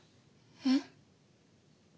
えっ？